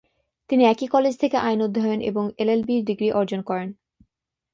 তিনি একই কলেজ থেকে আইন অধ্যয়ন এবং এলএলবি ডিগ্রী অর্জন করেন।